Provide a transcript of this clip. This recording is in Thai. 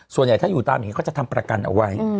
ส่วนใหญ่ถ้าอยู่ตามอย่างนี้เขาจะทำประกันเอาไว้